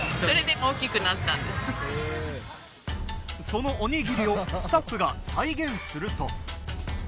そのおにぎりをスタッフが再現すると。